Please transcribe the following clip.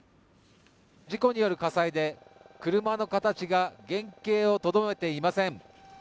事故による火災で車の形が原形をとどめていません。